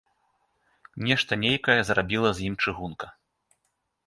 Нешта нейкае зрабіла з ім чыгунка.